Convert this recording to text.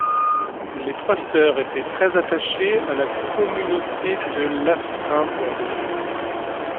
Les trois sœurs étaient très attachées à la communauté de Lafrimbolle.